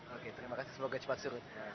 oke terima kasih semoga cepat surut